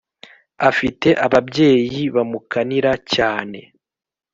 afite ababyeyi bamukanira cyane